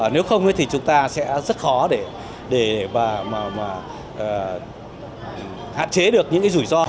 nếu không thì chúng ta sẽ rất khó để hạn chế được những cái rủi ro